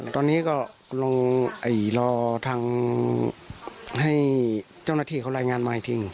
ตอนนี้ก็ลงรอทางให้เจ้าหน้าที่เขารายงานมาอีกทีหนึ่ง